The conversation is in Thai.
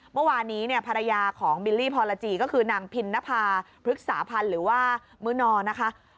เมื่อวานนี้เนี่ยภรรยาของบิลลี่พรจีก็คือนางพินนภาพฤกษาพันธ์หรือว่ามื้อนอนะคะ